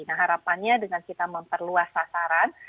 nah harapannya dengan kita memperluas sasaran